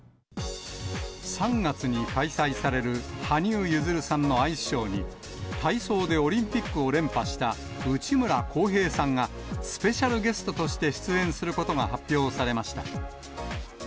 ３月に開催される羽生結弦さんのアイスショーに、体操でオリンピックを連覇した内村航平さんが、スペシャルゲストとして出演することが発表されました。